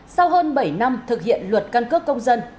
sau hơn bảy năm thực hiện luật căn cước công dân